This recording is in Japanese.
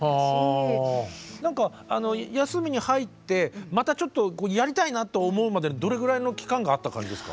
何か休みに入ってまたちょっとやりたいなと思うまでにどれぐらいの期間があった感じですか？